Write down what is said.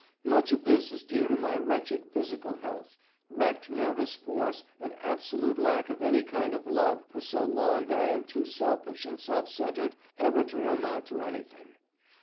Much of this is due to my wretched physical health, wrecked nervous force and absolute lack of any kind of love for so long that I am too selfish and self centred ever to amount to anything.